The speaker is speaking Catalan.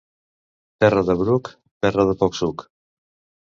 Terra de bruc, terra de poc suc.